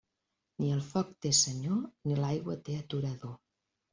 Ni el foc té senyor ni l'aigua té aturador.